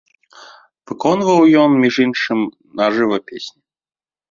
Выконваў ён, між іншым, на жыва песні.